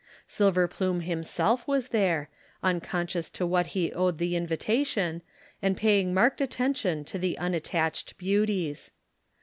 Silverplume himself was there, unconscious to what he owed the invitation, and paying marked attention to the unattached beauties.